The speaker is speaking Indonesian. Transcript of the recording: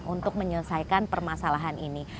untuk menyelesaikan permasalahan ini